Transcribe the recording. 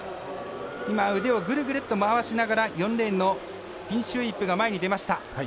今、腕をぐるぐるっと回しながら４レーンのピンシュー・イップが前に出ました。